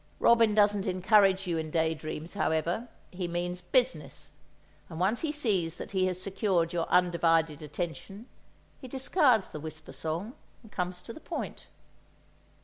Robin doesn't encourage you in daydreams, however, he means business; and once he sees that he has secured your undivided attention, he discards the Whisper Song and comes to the point.